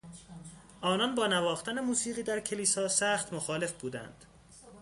آنان با نواختن موسیقی در کلیسا سخت مخالف بودند.